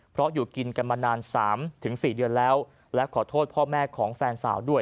เพราะอยู่กินกันมานาน๓๔เดือนแล้วและขอโทษพ่อแม่ของแฟนสาวด้วย